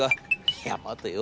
いや待てよ。